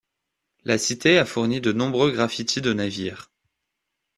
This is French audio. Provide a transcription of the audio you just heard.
La cité a fourni de nombreux graffiti de navires.